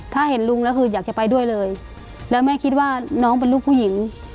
ถ้าเห็นลุงแล้วคืออยากจะไปด้วยเลยแล้วแม่คิดว่าน้องเป็นลูกผู้หญิง